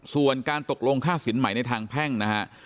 ส่วนการตกลงค่าสินใหม่ในทางแพ่งนะฮะ